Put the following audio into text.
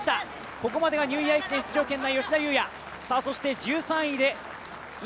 ここまでがニューイヤー駅伝出場権内。